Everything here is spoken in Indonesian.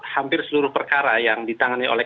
hampir seluruh perkara yang ditangani oleh